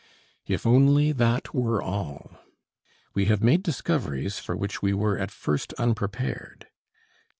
If only that were all! We have made discoveries for which we were at first unprepared.